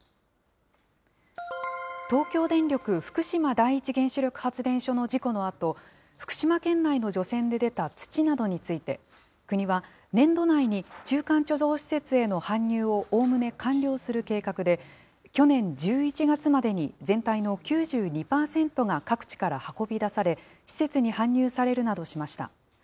東京電力福島第一原子力発電所の事故のあと、福島県内の除染で出た土などについて、国は、年度内に中間貯蔵施設への搬入をおおむね完了する計画で、去年１１月までに、全体の９２％が各地から運び出され、施設に搬入されるなどしました。